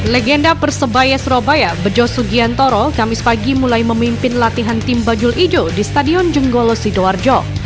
legenda persebaya surabaya bejo sugiantoro kamis pagi mulai memimpin latihan tim bajul ijo di stadion jenggolo sidoarjo